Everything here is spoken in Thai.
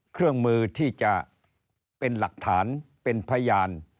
เครื่องมือที่จะเป็นหลักฐานเป็นพยาน